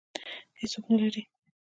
هېڅوک نه لري